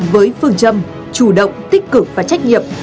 với phương châm chủ động tích cực và trách nhiệm